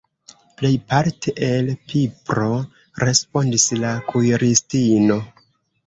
"Plejparte el pipro," respondis la kuiristino.